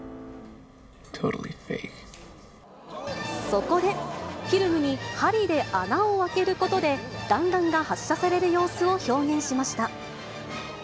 そこで、フィルムに針で穴を開けることで、弾丸が発射される様子を表現しました。